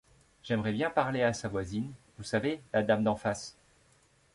J’aimerais bien parler à sa voisine, vous savez, la dame d’en face.